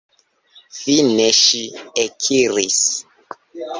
Fine si ekiris.